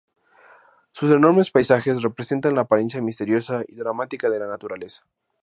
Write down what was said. Sus enormes paisajes representan la apariencia misteriosa y dramática de la naturaleza.